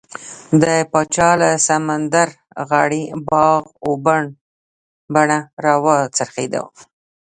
د پاچا له سمندرغاړې باغ و بڼه راوڅرخېدو.